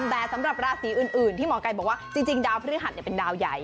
แต่สำหรับราศีอื่นที่หมอไก่บอกว่าจริงดาวพฤหัสเป็นดาวใหญ่